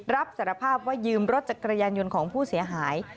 รับสารภาพว่ายืมรถจักรยานยนต์ของผู้เสียหาย